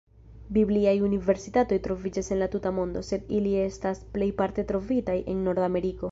Bibliaj universitatoj troviĝas en la tuta mondo, sed ili estas plejparte trovitaj en Nordameriko.